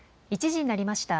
１時になりました。